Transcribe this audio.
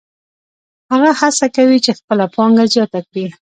هغه هڅه کوي چې خپله پانګه زیاته کړي